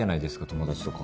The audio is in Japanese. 友達とか。